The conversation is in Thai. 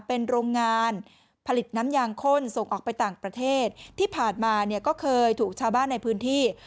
เป็นโรงงานผลิตน้ำยางข้นส่งออกไปต่างประเทศที่ผ่านมาเนี่ยก็เคยถูกชาวบ้านในพื้นที่